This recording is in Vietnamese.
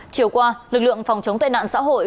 chiều qua lực lượng phòng chống tai nạn xã hội